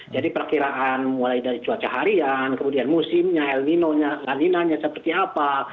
jadi perkiraan mulai dari cuaca harian kemudian musimnya alminonya ladinanya seperti apa